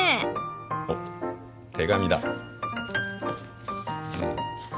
おっ手紙だ。